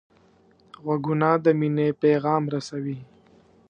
غوږونه د مینې پیغام رسوي